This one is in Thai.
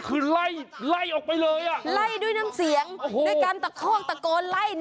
กูนี่จริงจะต้องรองไห้